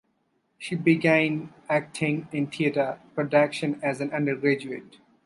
She began acting in theater productions as an undergraduate.